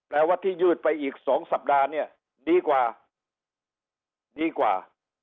ว่าที่ยืดไปอีก๒สัปดาห์เนี่ยดีกว่าดีกว่า